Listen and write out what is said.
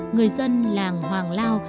người dân làng hoàng lao